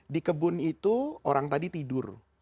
di kebun itu orang tadi tidur